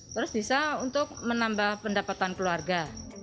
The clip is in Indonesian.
terus bisa untuk menambah pendapatan keluarga